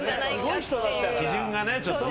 基準がね